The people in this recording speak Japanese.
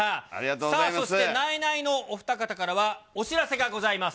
さあ、そしてナイナイのお二方からは、お知らせがございます。